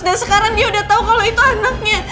dan sekarang dia udah tau kalau itu anaknya